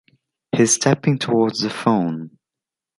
He’s stepping toward the phone.